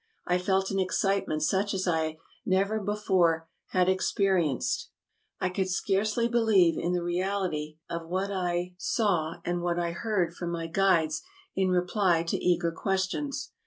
I felt an excitement such as I never before had ex perienced. I could scarcely believe in the reality of what I 268 TRAVELERS AND EXPLORERS saw and what I heard from my guides in reply to eager questions.